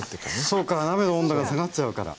そうか鍋の温度が下がっちゃうから。